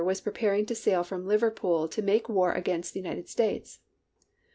was preparing to sail from Liverpool to make war against the United States.